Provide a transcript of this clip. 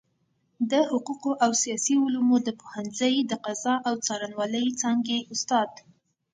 د حقوقو او سياسي علومو د پوهنځۍ د قضاء او څارنوالۍ څانګي استاد